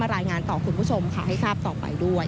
รายงานต่อคุณผู้ชมค่ะให้ทราบต่อไปด้วย